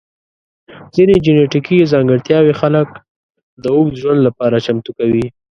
ځینې جنیټیکي ځانګړتیاوې خلک د اوږد ژوند لپاره چمتو کوي.